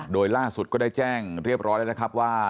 โดยล่าสุดก็ได้แจ้งเรียบร้อยแล้วนะครับว่า